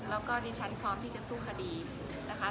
แล้วก็ดิฉันพร้อมที่จะสู้คดีนะคะ